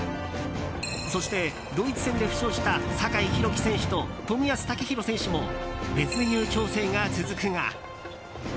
そしてドイツ戦で負傷した酒井宏樹選手と冨安健洋選手も別メニュー調整が続くが。